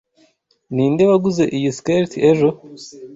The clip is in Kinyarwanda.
Ninde waguze iyi skirt ejo?